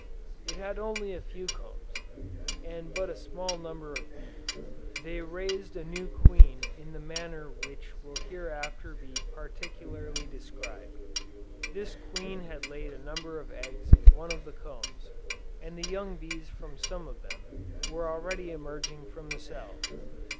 It had only a few combs, and but a small number of bees. They raised a new Queen in the manner which will hereafter be particularly described. This Queen had laid a number of eggs in one of the combs, and the young bees from some of them were already emerging from the cells.